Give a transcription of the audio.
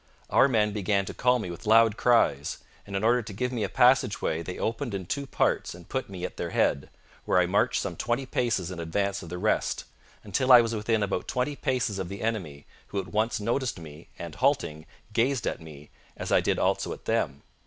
Our men began to call me with loud cries; and in order to give me a passage way they opened in two parts and put me at their head, where I marched some twenty paces in advance of the rest, until I was within about twenty paces of the enemy, who at once noticed me and, halting, gazed at me, as I did also at them.